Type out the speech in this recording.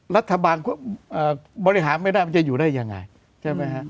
รัฐบาลบริหารไม่ได้มันจะอยู่ได้อย่างไร